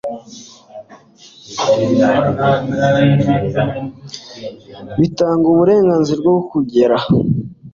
bitanga uburenganzira bwo kugera